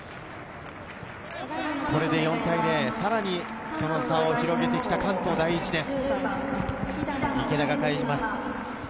これで４対０、さらにその差を広げてきた関東第一です。